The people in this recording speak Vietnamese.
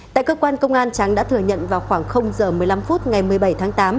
tại cơ quan công an tráng đã thừa nhận vào khoảng giờ một mươi năm phút ngày một mươi bảy tháng tám